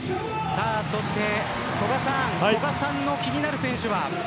そして古賀さんの気になる選手は。